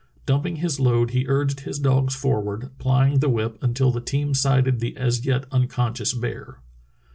Dumping his load he urged his dogs forward, plying the whip until the team sighted the as yet unconscious bear.